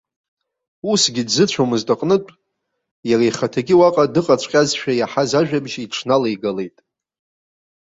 Усгьы дзыцәомызт аҟнытә, иара ихаҭагьы уаҟа дыҟаҵәҟьазшәа иаҳаз ажәабжь иҽналеигалеит.